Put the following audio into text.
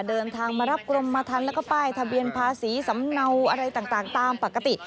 เดินทางมารับกรมมาทันแล้วก็ป้ายทะเบียนภาษีสำเนาอะไรต่างตามปกติ